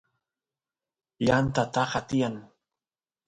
yanta taka tiyan